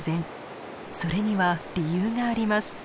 それには理由があります。